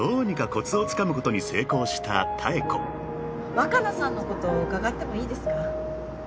若菜さんのこと伺ってもいいですか？